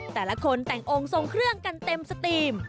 แต่ละคนแต่งองค์ทรงเครื่องกันเต็มสตรีม